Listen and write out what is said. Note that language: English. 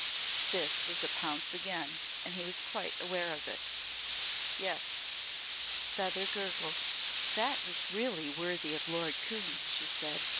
This was a pounce again and he was quite aware of it. "Yes." Feather gurgled. "That was really worthy of Lord Coombe," she said.